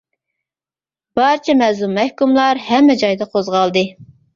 پارچە مەزلۇم مەھكۇملار، ھەممە جايدا قوزغالدى.